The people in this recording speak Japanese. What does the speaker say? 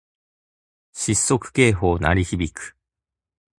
失速警報鳴り響く